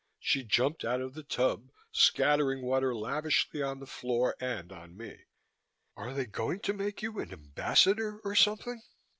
She jumped out of the tub, scattering water lavishly on the floor and on me. "Are they going to make you an Ambassador or something?"